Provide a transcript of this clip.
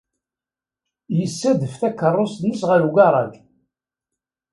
Yessadef takeṛṛust-nnes ɣer ugaṛaj.